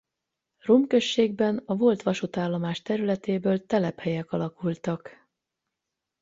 Rum községben a volt vasútállomás területéből telephelyek alakultak.